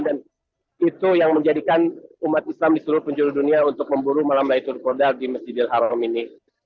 dan itu yang menjadikan umat islam di seluruh penjuru dunia untuk memburu malam laylatul hadar di masjid al haram ini